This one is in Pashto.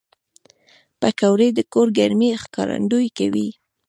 پکورې د کور ګرمۍ ښکارندويي کوي